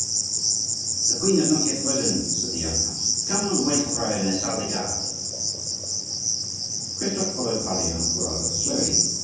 "The queen has not yet risen," said the young captain; "come and wait for her in the salle des gardes." Christophe followed Pardaillan rather slowly.